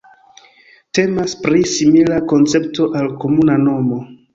Temas pri simila koncepto al komuna nomo.